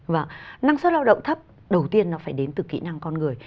và năng suất lao động thấp đầu tiên nó phải đến từ kỹ năng con người